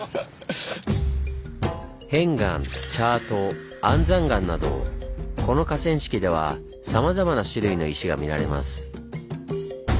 片岩チャート安山岩などこの河川敷ではさまざまな種類の石が見られます。